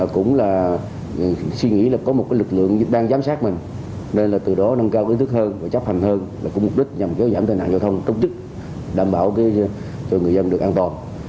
cũng là suy nghĩ là có một lực lượng đang giám sát mình nên là từ đó nâng cao ý thức hơn và chấp hành hơn là cùng mục đích nhằm kéo giảm tai nạn giao thông tốt chức đảm bảo cho người dân được an toàn